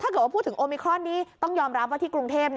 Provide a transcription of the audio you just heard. ถ้าเกิดว่าพูดถึงโอมิครอนนี้ต้องยอมรับว่าที่กรุงเทพ